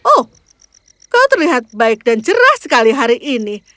oh kau terlihat baik dan cerah sekali hari ini